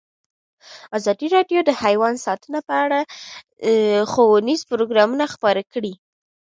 ازادي راډیو د حیوان ساتنه په اړه ښوونیز پروګرامونه خپاره کړي.